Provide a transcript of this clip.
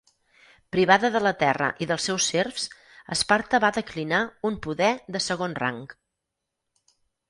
Privada de la terra i dels seus serfs, Esparta va declinar un poder de segon rang.